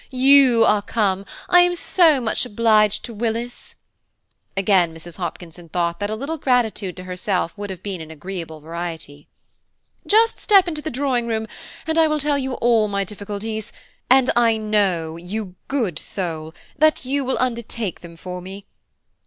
you are come–I am so much obliged to Willis." Again Mrs. Hopkinson thought that a little gratitude to herself would have been an agreeable variety. "Just step into the drawing room, and I will tell you all my difficulties, and I know, you good soul, that you will undertake them for me.